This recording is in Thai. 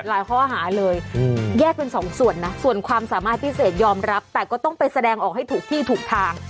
ข้อหาเลยแยกเป็นสองส่วนนะส่วนความสามารถพิเศษยอมรับแต่ก็ต้องไปแสดงออกให้ถูกที่ถูกทาง